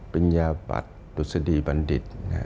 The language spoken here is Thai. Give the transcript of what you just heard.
เป็นยาบัตรดุสดีบัณฑิต